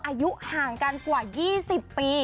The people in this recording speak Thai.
อายุห่างกันกว่า๒๐ปี